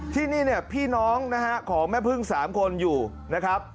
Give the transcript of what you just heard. ที่นี่เนี่ยพี่น้องนะฮะของแม่พึ่ง๓คนอยู่นะครับ